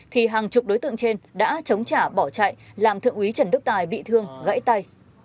thì hàng chục đối tượng trên đã chống trả bỏ chạy làm thượng úy trần đức tài bị thương gãy tay